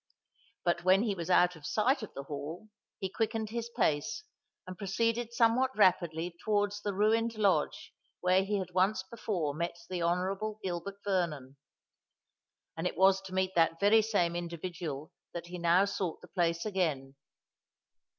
But when he was out of sight of the Hall, he quickened his pace, and proceeded somewhat rapidly towards the ruined lodge where he had once before met the Honourable Gilbert Vernon. And it was to meet that very same individual that he now sought the place again.